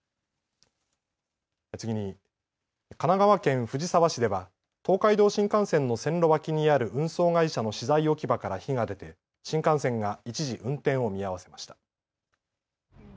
次に神奈川県藤沢市では東海道新幹線の線路脇にある運送会社の資材置き場から火が出て新幹線が一時、運転を見合わせました。